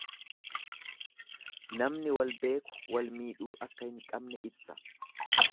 Namni wal beeku wal miidhuu akka hin qabne ibsa.